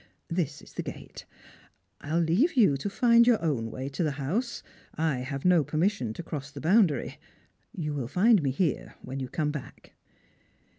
This is the gate. I will leave you to find your own way to the house. I have no permission to cross the boundary. You will find me here when you come back."